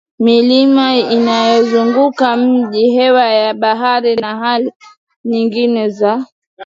Milima inayozunguka miji hewa ya bahari na hali nyingine za